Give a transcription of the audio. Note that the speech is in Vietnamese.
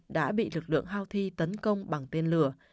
đã bị lực lượng houthi tấn công bằng tên lửa